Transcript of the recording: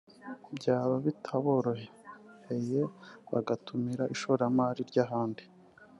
byaba bitaboroheye bagatumira ishoramari ry’ahandi